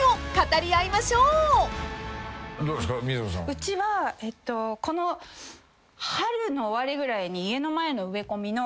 うちはこの春の終わりぐらいに家の前の植え込みの。